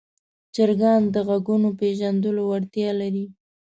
چرګان د غږونو پېژندلو وړتیا لري.